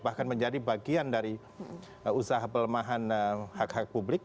bahkan menjadi bagian dari usaha pelemahan hak hak publik